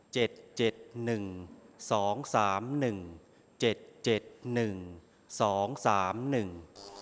เจ็ดเจ็ดหนึ่งสองสามหนึ่งเจ็ดเจ็ดหนึ่งสองสามหนึ่ง